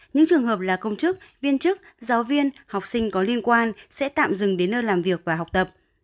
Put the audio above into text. những trường hợp là công chức viên chức giáo viên học sinh có liên quan sẽ tạm dừng đến nơi làm việc và học tập